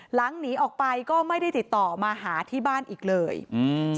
หนีออกไปก็ไม่ได้ติดต่อมาหาที่บ้านอีกเลยอืม